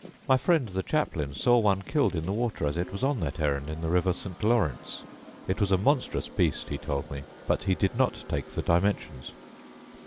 My friend, the chaplain, saw one killed in the water as it was on that errand in the river St. Lawrence: it was a monstrous beast, he told me; but he did not take the dimensions.